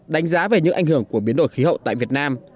đánh giá về những ảnh hưởng của biến đổi khí hậu tại việt nam